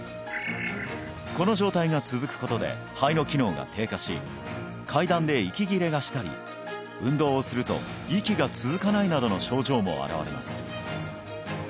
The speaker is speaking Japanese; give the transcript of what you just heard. この状態が続くことで肺の機能が低下し階段で息切れがしたり運動をすると息が続かないなどの症状も現れます